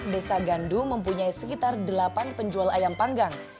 desa gandu mempunyai sekitar delapan penjual ayam panggang